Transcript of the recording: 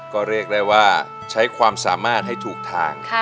ก็เรียกได้ว่าใช้ความสามารถให้ถูกทาง